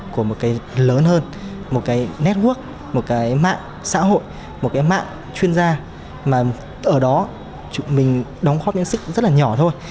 của một cái lớn hơn một cái network một cái mạng xã hội một cái mạng chuyên gia mà ở đó mình đóng góp những sức rất là nhỏ thôi